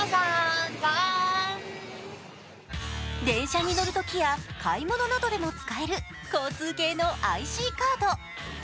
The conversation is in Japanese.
電車に乗るときや買い物などでも使える交通系のＩＣカード。